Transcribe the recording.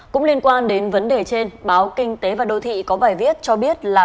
cũng liên quan đến vấn đề trên báo kinh tế và đô thị có bài viết cho biết là